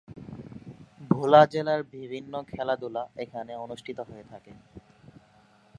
ভোলা জেলার বিভিন্ন খেলাধুলা এখানে অনুষ্ঠিত হয়ে থাকে।